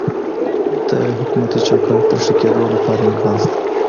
د حکومتي چوکاټ د ښه کیدو لپاره امکان سته.